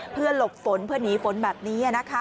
เพื่อหลบฝนเพื่อหนีฝนแบบนี้